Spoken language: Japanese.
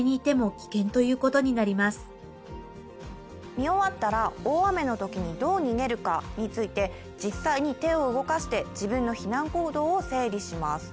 見終わったら大雨のときにどう逃げるかについて、実際に手を動かして自分の避難行動を整理します。